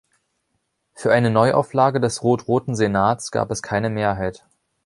Für eine Neuauflage des rot-roten Senats gab es keine Mehrheit.